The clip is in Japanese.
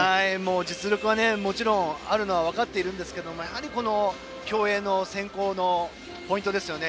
実力はもちろん、あるのは分かっているんですけれどもこの競泳の選考のポイントですね。